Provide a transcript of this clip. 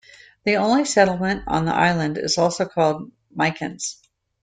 The only settlement on the island is also called Mykines.